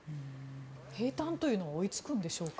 兵隊というのは追いつくんでしょうか。